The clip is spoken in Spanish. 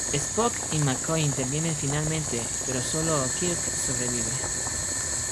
Spock y McCoy intervienen finalmente, pero sólo Kirk sobrevive.